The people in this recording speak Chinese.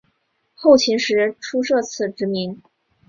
后秦时初设此职名。